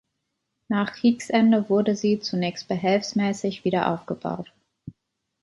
Nach Kriegsende wurde sie zunächst behelfsmäßig wieder aufgebaut.